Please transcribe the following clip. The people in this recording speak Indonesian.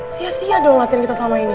sia sia dong latihan kita selama ini